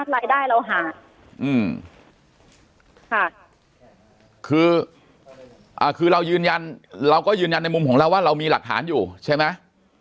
รายได้เราหาอืมค่ะคือเรายืนยันเราก็ยืนยันในมุมของเราว่าเรามีหลักฐานอยู่ใช่ไหม